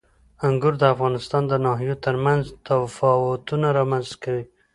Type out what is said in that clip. انګور د افغانستان د ناحیو ترمنځ تفاوتونه رامنځته کوي.